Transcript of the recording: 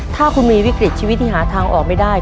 ถ้าคุณมีวิกฤตชีวิตที่หาทางออกไม่ได้